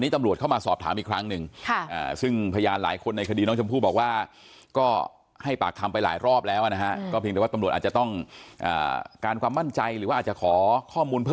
การความมั่นใจหรือว่าอาจจะขอข้อมูลเพิ่ม